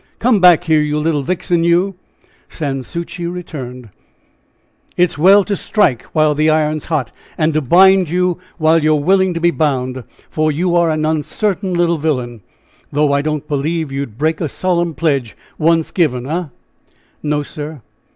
"Come back here you little vixen, you!" Sans Souci returned. "It's well to 'strike while the iron's hot,' and to bind you while you're willing to be bound, for you are an uncertain little villain. Though I don't believe you'd break a solemn pledge once given hey?" "No, sir!"